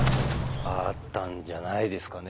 あったんじゃないですかね